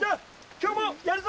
今日もやるぞ！